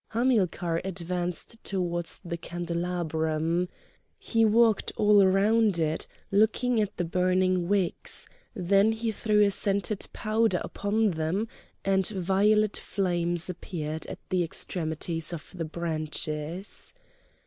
Hamilcar advanced towards the candelabrum. He walked all round it, looking at the burning wicks; then he threw a scented powder upon them, and violet flames appeared at the extremities of the branches.